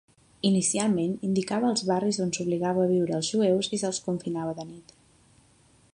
Inicialment, indicava els barris on s'obligava a viure els jueus i se'ls confinava de nit.